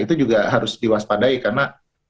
itu juga harus diwaspadai karena